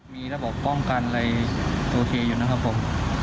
มีระบบป้องกันอะไรโอเคอยู่นะครับผม